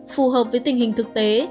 phù hợp với tình hình thực tế